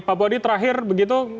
pak wadi terakhir begitu